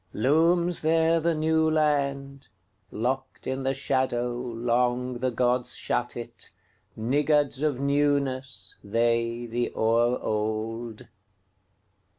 Looms there the New Land:Locked in the shadowLong the gods shut it, Niggards of newnessThey, the o'er old.